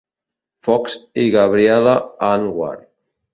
Fox i Gabrielle Anwar.